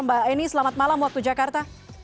mbak eni selamat malam waktu jakarta